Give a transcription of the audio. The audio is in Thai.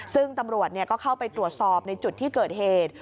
ซึ่งตำรวจก็เข้าไปตรวจสอบในจุดที่เกิดเหตุ